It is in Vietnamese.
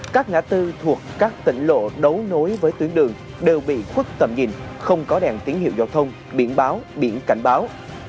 các ngã tư thuộc các tỉnh lộ đấu nối với tuyến đường đều bị khuất tầm nhìn không có đèn tiến hiệu giao thông biển báo biển cảnh báo